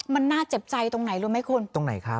มันน่าเจ็บใจตรงไหนรู้ไหมคุณตรงไหนครับ